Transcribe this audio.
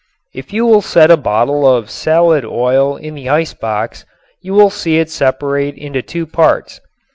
If you will set a bottle of salad oil in the ice box you will see it separate into two parts.